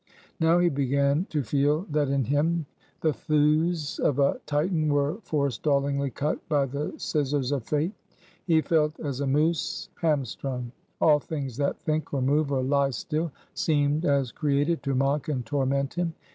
Now he began to feel that in him, the thews of a Titan were forestallingly cut by the scissors of Fate. He felt as a moose, hamstrung. All things that think, or move, or lie still, seemed as created to mock and torment him.